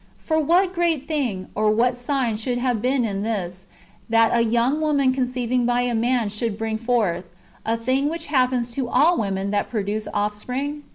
For what great thing or what sign should have been in this, that a young woman conceiving by a man should bring forth, — a thing which happens to all women that produce offspring?